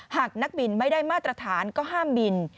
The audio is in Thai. หากนักบินไม่ได้มาตรฐานก็ห้ามบิน